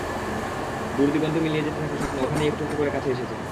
দূর দিগন্তে মিলিয়ে যেতে থাকা স্বপ্ন ওখানেই একটু একটু করে কাছে এসেছে।